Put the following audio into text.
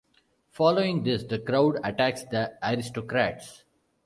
Following this, the crowd attacks the aristocrats.